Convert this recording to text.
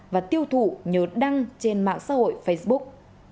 và tiêu thụ nhờ đăng trên mạng xã hội facebook